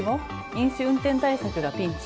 飲酒運転対策がピンチ。